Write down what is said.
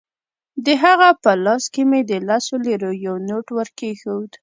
د هغه په لاس کې مې د لسو لیرو یو نوټ ورکېښود.